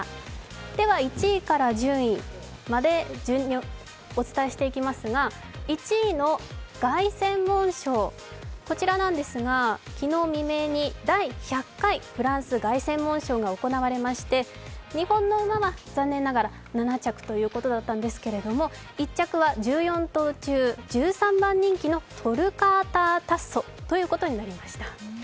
では１位から１０位まで順にお伝えしていきますが１位の凱旋門賞、こちらなんですが、昨日未明に第１００回フランス凱旋門賞が行われまして日本の馬は残念ながら７着ということだったんですけれども、１着は１４頭中、１３番人気のトルカータータッソということになりました。